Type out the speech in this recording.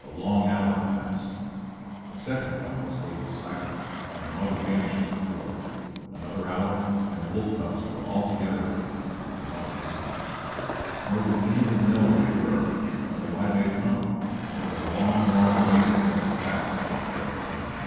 A long hour passed; a second cub was laid beside him, and the mother vanished as before; another hour, and the wolf cubs were all together again with the mother feeding them. Nor did any of them know where they were, nor why they had come, nor the long, long way that led back to where the trail began.